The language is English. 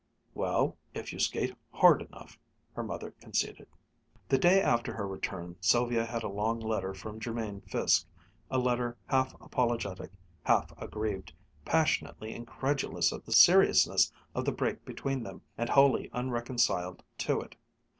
"Well, if you skate hard enough," her mother conceded. The day after her return Sylvia had a long letter from Jermain Fiske, a letter half apologetic, half aggrieved, passionately incredulous of the seriousness of the break between them, and wholly unreconciled to it.